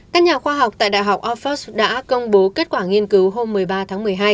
các nhà khoa học tại đại học oxford đã công bố kết quả nghiên cứu hôm một mươi ba tháng một mươi hai